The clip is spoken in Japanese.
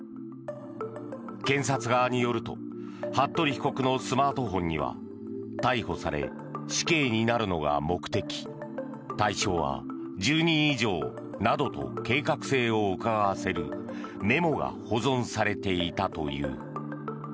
検察側によると服部被告のスマートフォンには逮捕され死刑になるのが目的対象は１０人以上などと計画性をうかがわせるメモが保存されていたという。